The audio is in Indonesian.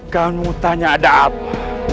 kamu tanya ada apa